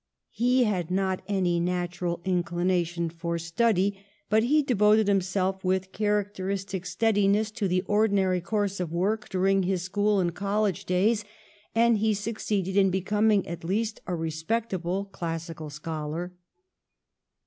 He had not any natural inclination for study, but he devoted himself with a characteristic steadiness to the ordinary course of work during his school and college days, and he succeeded in becoming at least a respectable classical scholar.